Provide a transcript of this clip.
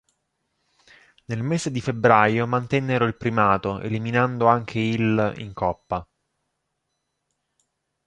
Nel mese di febbraio mantennero il primato, eliminando anche il in coppa.